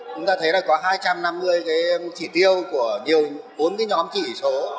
chúng ta thấy là có hai trăm năm mươi cái chỉ tiêu của nhiều bốn cái nhóm chỉ số